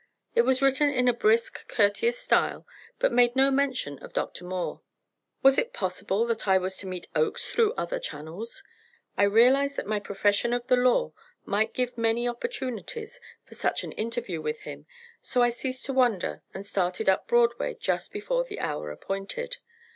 It was written in a brisk, courteous style, but made no mention of Dr. Moore. Was it possible that I was to meet Oakes through other channels? I realized that my profession of the law might give many opportunities for such an interview with him, so I ceased to wonder, and started up Broadway just before the hour appointed.